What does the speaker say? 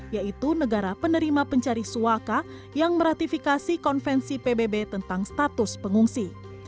yaitu negara penerima pencari suaka yang meratifikasi konvensi pbb tentang status pengungsi